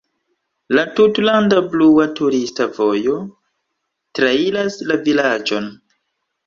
La "Tutlanda "blua" turista vojo" trairas la vilaĝon.